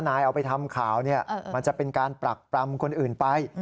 เอาไปทำข่าวมันจะเป็นการปรักปรำคนอื่นไป